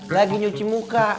lagi nyuci muka